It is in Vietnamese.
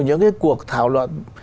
những cái cuộc thảo luận